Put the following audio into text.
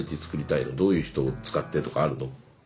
どういう人使ってとかあるの？